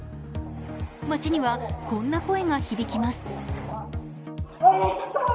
街には、こんな声が響きます。